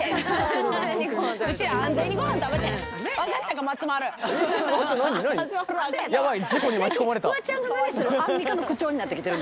うちら、安全にご飯食べてん。